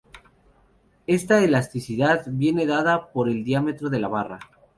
Esta elasticidad viene dada por el diámetro de la barra.